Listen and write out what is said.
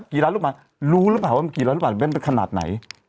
กี่ล้านลูกบาทรู้หรือเปล่าว่ามันกี่ล้านลูกบาทเว้นไปขนาดไหน